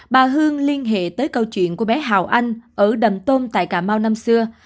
bà hương liên hệ tới câu chuyện của bé hào anh ở đầm tôm tại cà mau năm xưa